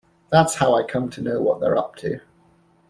That's how I come to know what they're up to.